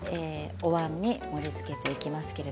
おわんに盛りつけていきます。